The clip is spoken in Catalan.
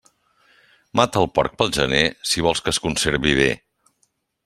Mata el porc pel gener, si vols que es conservi bé.